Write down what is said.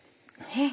えっ？